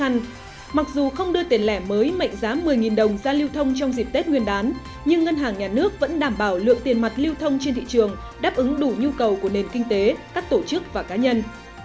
nhưng ngân hàng nhà nước vẫn đảm bảo lượng tiền mặt lưu thông trên thị trường đáp ứng đủ nhu cầu của nền kinh tế các tổ chức và cá nhân